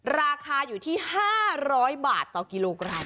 ราคาอยู่ที่๕๐๐บาทต่อกิโลกรัม